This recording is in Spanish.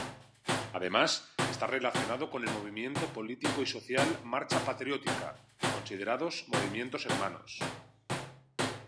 Ademas esta relacionado con el movimiento político y social Marcha Patriótica, considerados movimientos hermanos.